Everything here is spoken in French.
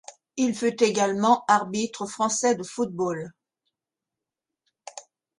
Il fut également arbitre français de football.